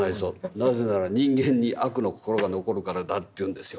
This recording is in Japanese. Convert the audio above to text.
なぜなら人間に悪の心が残るからだ」って言うんですよ。